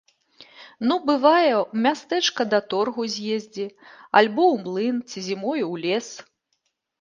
Ну, бывае, у мястэчка да торгу з'ездзі, альбо ў млын ці зімою ў лес.